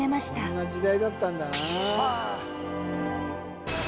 こんな時代だったんだなはあ